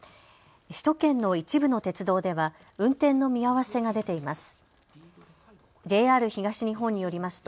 首都圏の一部の鉄道では運転の見合わせが出ています。